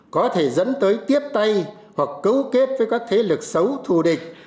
có thể dẫn tới tiếp tay hoặc cấu kết với các thế lực xấu thù địch